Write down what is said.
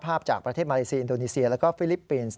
ภาพจากประเทศมาเลเซียอินโดนีเซียแล้วก็ฟิลิปปินส์